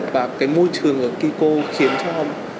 và cái môi trường ở kiko khiến cho